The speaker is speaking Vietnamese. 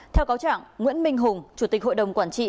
theo cáo trạng nguyễn minh hùng chủ tịch hội đồng quản trị